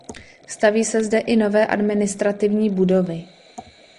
Staví se zde i nové administrativní budovy.